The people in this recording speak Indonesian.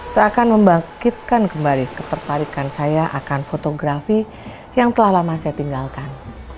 seakan membangkitkan kembali ketertarikan saya akan fotografi yang telah lama saya tinggalkan